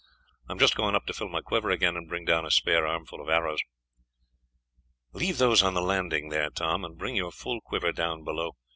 I am just going up to fill my quiver again and bring down a spare armful of arrows." "Leave those on the landing here, Tom, and bring your full quiver down below.